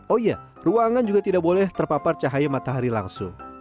oh iya ruangan juga tidak boleh terpapar cahaya matahari langsung